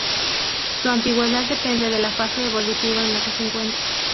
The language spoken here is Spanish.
Su antigüedad depende de la fase evolutiva en la que se encuentre.